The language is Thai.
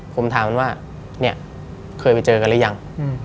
ผมถามว่าเหมือนเคยไปเจอกันหรือยัง